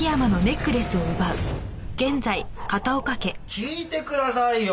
聞いてくださいよ！